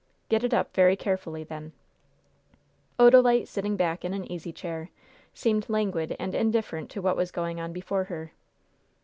"Get it up very carefully, then." Odalite, sitting back in an easy chair, seemed languid and indifferent to what was going on before her.